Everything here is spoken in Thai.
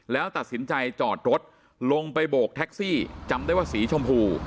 แล้วตัดสินใจจอดรถลงไปโบกแท็กซี่จำได้ว่าสีชมพู